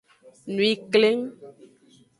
Nwi kleng.